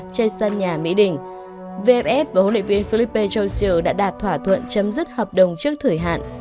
trên sân nhà mỹ đình vff và huấn luyện viên philippe johnier đã đạt thỏa thuận chấm dứt hợp đồng trước thời hạn